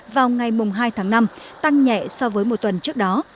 vào ngày hai tháng năm tăng nhẹ so với một tuần trước đó